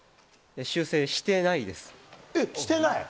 修正していないです。